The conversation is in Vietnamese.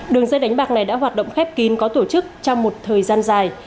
đường dây đánh bạc này đã hoạt động khép kín có tổ chức trong một thời gian dài